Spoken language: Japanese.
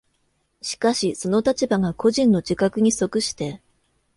しかしその立場が個人の自覚に即して